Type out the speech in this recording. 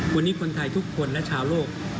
วันนี้คนไทยทุกคนและชาวโลก